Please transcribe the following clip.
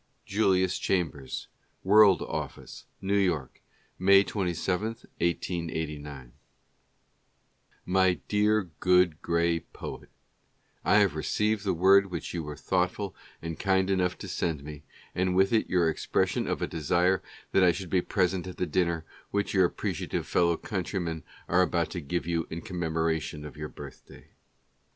Julius Chambers: "World" Office, N. K, May 27, 1889. My Dear Good Gray Poet — I have received the word which you were thoughtful and kind enough to send me, and with it your expression of a desire that I should be present at the dinner which your appreciative fellow countrymen are about to give you in commemoration of your birthday.